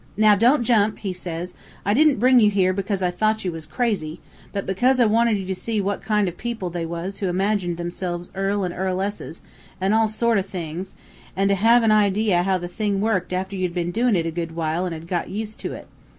Now, don't jump,' he says; 'I didn't bring you here, because I thought you was crazy, but because I wanted you to see what kind of people they was who imagined themselves earls and earl esses, an' all that sort o' thing, an' to have an idea how the thing worked after you'd been doing it a good while an' had got used to it.